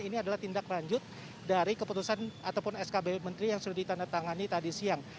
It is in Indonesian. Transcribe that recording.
ini adalah tindak lanjut dari keputusan ataupun skb menteri yang sudah ditandatangani tadi siang